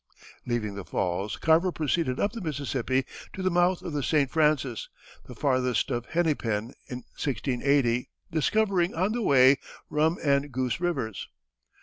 Leaving the falls, Carver proceeded up the Mississippi to the mouth of the St. Francis, the farthest of Hennepin in 1680, discovering on the way Rum and Goose Rivers.